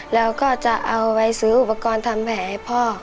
แล้วก็จะเอาไปซื้ออุปกรณ์ทำแผลให้พ่อ